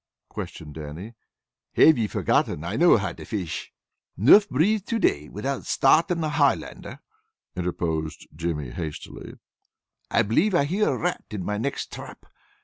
questioned Dannie. "Have ye forgotten that I know how to fish?" "'Nough breeze to day without starting a Highlander," interposed Jimmy hastily. "I believe I hear a rat in my next trap.